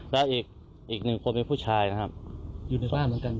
และอีกหนึ่งคนเป็นผู้ชายนะครับอยู่ในบ้านเหมือนกัน